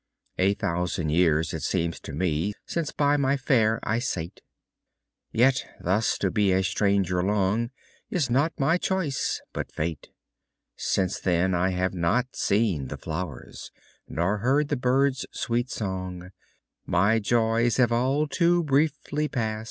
A thousand years to me it seems Since by my fair I sate; Yet thus to be a stranger long Is not my choice, but fate; Since then I have not seen the flowers, Nor heard the birds' sweet song; My joys have all too briefly past.